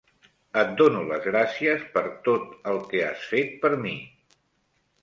Et dono les gracies per tot el que has fet per mi.